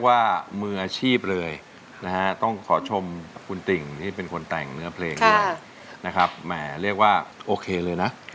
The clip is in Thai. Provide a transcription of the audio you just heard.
แบบนี้โอเคเลยนะ